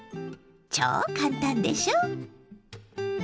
超簡単でしょ！